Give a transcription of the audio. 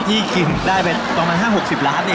ที่กินได้ประมากจะบรรทะ๖๐ล้านนะ